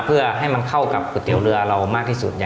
เพื่อให้มันเข้ากับก๋วยเตี๋ยวเรือเรามากที่สุด